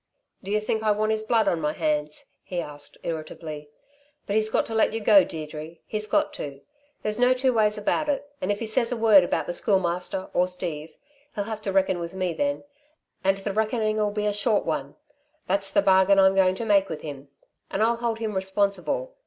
"D'you think I want his blood on my hands?" he asked irritably. "But he's got to let you go, Deirdre. He's got to. There's no two ways about it, and if he says a word about the Schoolmaster or Steve, he'll have to reck'n with me then and the reckoning'll be a short one. That's the bargain I'm going to make with him. And I'll hold him responsible